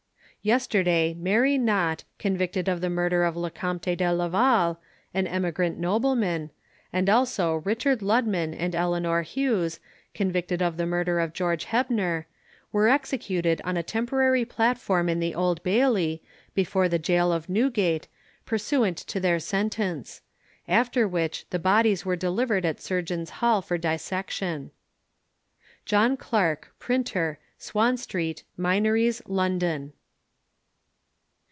Yesterday, Mary Nott, convicted of the murder of Le Comte de Laval, an emigrant nobleman; and also Richard Ludman and Eleanor Hughes, convicted of the murder of George Hebner, were executed on a temporary platform in the Old Bailey, before the gaol of Newgate, pursuant to their sentence; after which the bodies were delivered at Surgeons' hall for dissection. John Clarke, Printer, Swan Street, Minories, London.